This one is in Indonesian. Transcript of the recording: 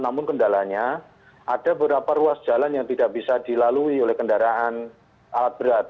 namun kendalanya ada beberapa ruas jalan yang tidak bisa dilalui oleh kendaraan alat berat